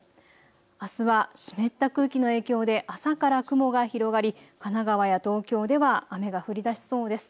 あすは湿った空気の影響で朝から雲が広がり神奈川や東京では雨が降りだしそうです。